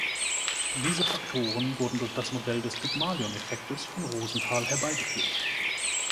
Diese Faktoren wurden durch das Modell des Pygmalion-Effektes von Rosenthal herbeigeführt.